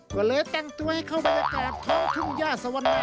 ก็เลยแต่งตัวให้เข้าบรรยากาศท้องทุ่งย่าสวนา